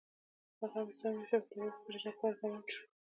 هغه مې سم وویشت او طواف لپاره روان شوو.